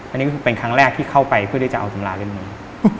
อันนี้เป็นครั้งแรกที่เข้าไปเพื่อได้จะเอาสำราเร็วหนึ่ง